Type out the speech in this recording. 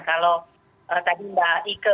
kalau tadi mbak ike